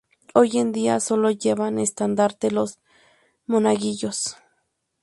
Hoy en día, sólo llevan estandarte los monaguillos.